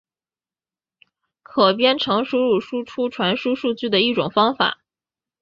可编程输入输出传输数据的一种方法。